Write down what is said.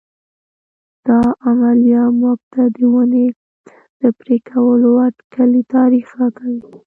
دا عملیه موږ ته د ونې د پرې کولو اټکلي تاریخ راکوي.